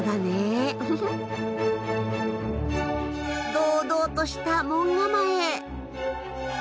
堂々とした門構え。